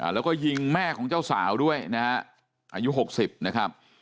แล้วก็ยิงแม่ของเจ้าสาวด้วยนะฮะอายุ๖๐นะครับ